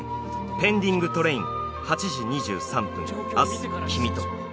「ペンディングトレイン−８時２３分、明日君と」